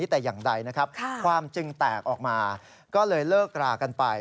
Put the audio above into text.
แต่อย่างใดนะครับความจึงแตกออกมาก็เลยเลิกรากันไป